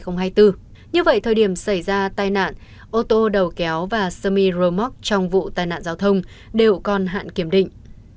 như vậy thời điểm xảy ra tai nạn ô tô đầu kéo và semi romoc trong vụ tai nạn giao thông đều còn hạn kiểm định